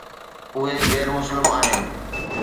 اهي غير مسلم آهن.